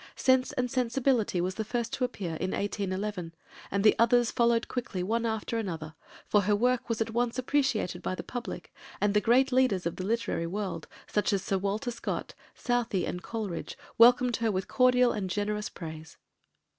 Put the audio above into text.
Sense and Sensibility was the first to appear, in 1811, and the others followed quickly after one another, for her work was at once appreciated by the public, and the great leaders of the literary world, such as Sir Walter Scott, Southey, and Coleridge, welcomed her with cordial and generous praise.